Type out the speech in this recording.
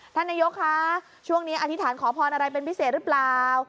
ท่านนายกคะช่วงนี้อธิษฐานขอพรอะไรเป็นพิเศษหรือเปล่า